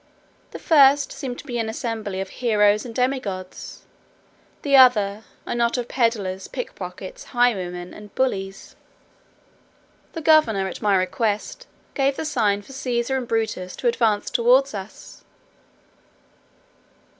The first seemed to be an assembly of heroes and demigods; the other, a knot of pedlars, pick pockets, highwaymen, and bullies. The governor, at my request, gave the sign for Cæsar and Brutus to advance towards us.